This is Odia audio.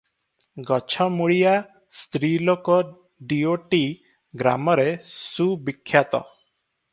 ଗଛମୁଳିଆ ସ୍ତ୍ରୀଲୋକ ଦିଓଟି ଗ୍ରାମରେ ସୁବିଖ୍ୟାତ ।